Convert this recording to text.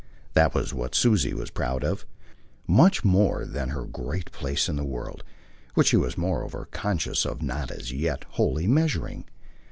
That was what Susie was proud of, much more than of her great place in the world, which she was moreover conscious of not as yet wholly measuring.